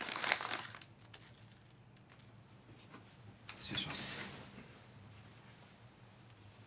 失礼します。